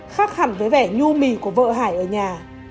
khác hẳn với vẻ nhu mì của vợ hải ở nhà